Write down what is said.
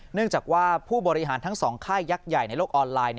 เนื่องจากว่าผู้บริหารทั้งสองค่ายยักษ์ใหญ่ในโลกออนไลน์